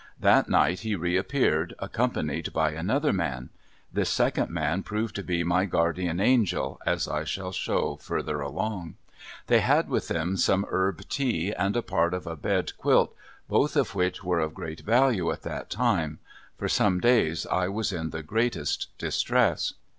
That night he re appeared, accompanied by another man. This second man proved to be my guardian angel, as I shall show further along. They had with them some herb tea and a part of a bed quilt, both of which were of great value at that time. For some days I was in the greatest distress.